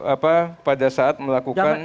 apa pada saat melakukan